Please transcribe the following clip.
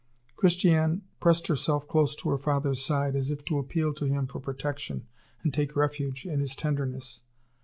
Christiane pressed herself close to her father's side, as if to appeal to him for protection and take refuge in his tenderness.